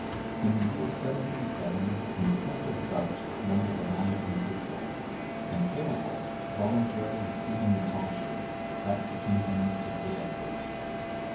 (1063) In the year 737, an excessive drought rendered the land unfruitful; and Ceolwulf, voluntarily receiving the tonsure, left the kingdom to Eadbert.